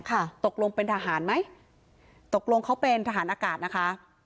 ตกลงเป็นทหารไหมตกลงเขาเป็นทหารอากาศนะคะ